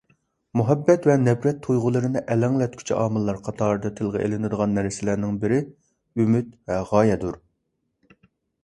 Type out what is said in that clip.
مۇھەببەت ۋە نەپرەت تۇيغۇلىرىنى ئەلەڭلەتكۈچى ئامىللار قاتارىدا تىلغا ئېلىنىدىغان نەرسىلەرنىڭ بىرى ئۈمىد ۋە غايەدۇر.